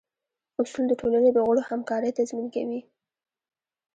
اصول د ټولنې د غړو همکارۍ تضمین کوي.